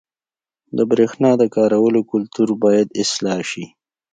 • د برېښنا د کارولو کلتور باید اصلاح شي.